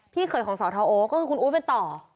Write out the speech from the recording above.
พี่เขยของสอทอโอ๊คก็คือคุณอู๋เป็นต่อ